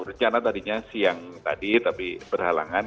rencana tadinya siang tadi tapi berhalangan